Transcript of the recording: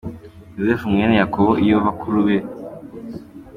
Yosefu mwene Yakobo iyo bakuru be.